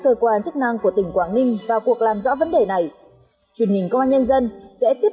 cơ quan chức năng của tỉnh quảng ninh vào cuộc làm rõ vấn đề này truyền hình công an nhân dân sẽ tiếp